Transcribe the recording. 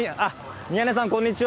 宮根さん、こんにちは。